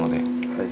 はい。